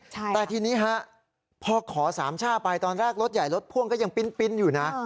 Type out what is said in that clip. แต่ทีนี้ฮะพอขอสามช่าไปตอนแรกรถใหญ่รถพ่วงก็ยังปิ๊นอยู่นะ